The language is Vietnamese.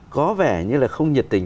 có vẻ như là không nhiệt tình